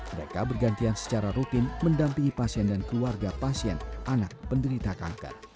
mereka bergantian secara rutin mendampingi pasien dan keluarga pasien anak penderita kanker